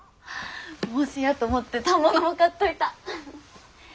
もしやと思って反物も買っといた。